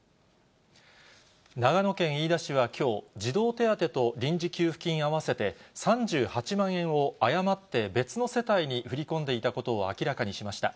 長野県飯田市はきょう、児童手当と臨時給付金、合わせて３８万円を誤って別の世帯に振り込んでいたことを明らかにしました。